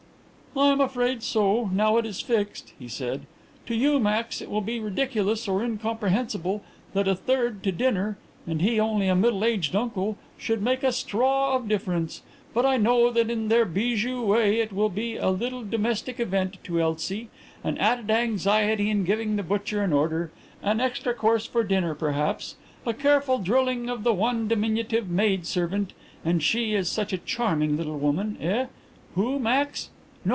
"I am afraid so, now it is fixed," he said. "To you, Max, it will be ridiculous or incomprehensible that a third to dinner and he only a middle aged uncle should make a straw of difference. But I know that in their bijou way it will be a little domestic event to Elsie an added anxiety in giving the butcher an order, an extra course for dinner, perhaps; a careful drilling of the one diminutive maid servant, and she is such a charming little woman eh? Who, Max? No!